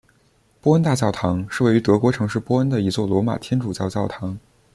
波恩大教堂是位于德国城市波恩的一座罗马天主教教堂。